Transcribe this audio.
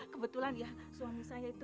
kebetulan ya suami saya itu